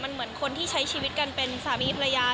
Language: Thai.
มันเหมือนคนที่ใช้ชีวิตกันเป็นสามีภรรยา